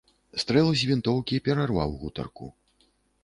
Стрэл з вінтоўкі перарваў гутарку.